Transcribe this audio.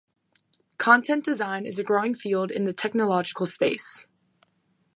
Content design is a growing field in the technological space.